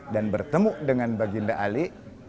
dan bertemu dengan baginda ali